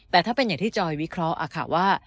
แต่ถ้าเป็นอย่างที่จอยวิเคราะห์ค่ะว่า